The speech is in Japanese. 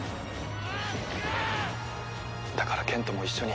だから賢人も一緒に。